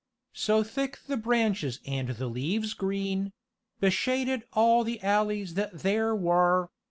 So thick the branches and the leave's green Beshaded all the alleys that there were.